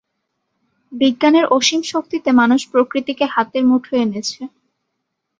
বিজ্ঞানের অসীম শক্তিতে মানুষ প্রকৃতিকে হাতের মুঠোয় এনেছে।